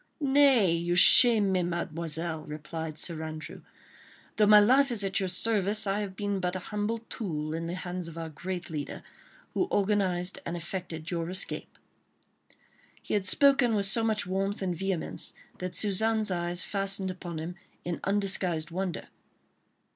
"Nay! you shame me, Mademoiselle," replied Sir Andrew; "though my life is at your service, I have been but a humble tool in the hands of our great leader, who organised and effected your escape." He had spoken with so much warmth and vehemence that Suzanne's eyes fastened upon him in undisguised wonder.